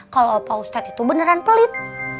kalo opa ustad itu beneran pelit